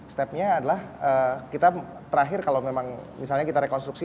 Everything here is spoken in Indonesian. stepnya adalah kita terakhir kalau memang misalnya kita rekonstruksi